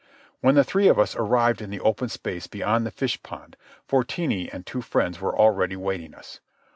When the three of us arrived in the open space beyond the fish pond Fortini and two friends were already waiting us.